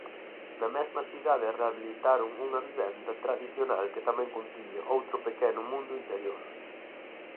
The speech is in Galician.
Na mesma cidade rehabilitaron unha vivenda tradicional que tamén contiña outro pequeno mundo interior.